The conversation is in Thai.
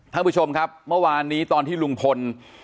ท่านผู้ชมครับเมื่อวานนี้ตอนที่ลุงพล